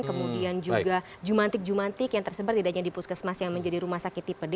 kemudian juga jumantik jumantik yang tersebar tidak hanya di puskesmas yang menjadi rumah sakit tipe d